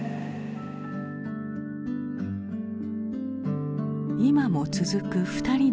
今も続く２人の友情。